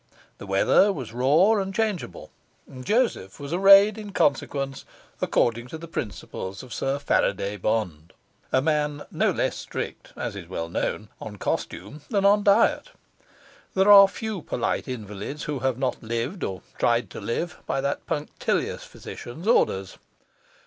The weather was raw and changeable, and Joseph was arrayed in consequence according to the principles of Sir Faraday Bond, a man no less strict (as is well known) on costume than on diet. There are few polite invalids who have not lived, or tried to live, by that punctilious physician's orders.